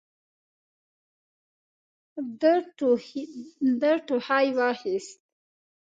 ده ټوخي واخيست.